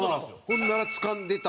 ほんならつかんでた。